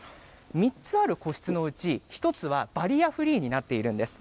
３つある個室のうち、１つはバリアフリーになっているんです。